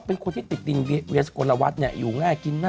เป็นคนที่ติดทิ้งเวียสกลวัสอยู่ง่ายกิน